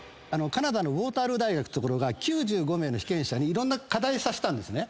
カナダのウォータールー大学が９５名の被験者にいろんな課題させたんですね。